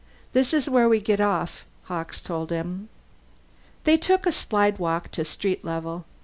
"This is where we get off," Hawkes told him. They took a slidewalk to street level.